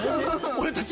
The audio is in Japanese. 俺たち。